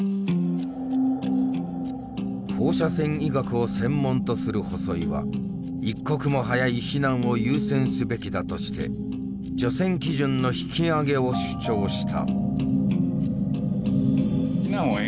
放射線医学を専門とする細井は一刻も早い避難を優先すべきだとして「除染基準の引き上げ」を主張した。